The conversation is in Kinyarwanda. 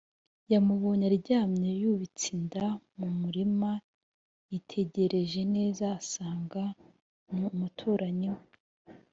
yamubonye aryamye yubitse inda mu murima yitegereje neza asanga ni umuturanyi we